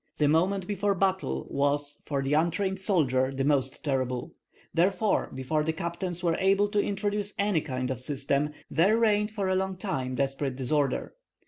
The moment before battle was for the untrained soldier the most terrible; therefore before the captains were able to introduce any kind of system there reigned for a long time desperate disorder.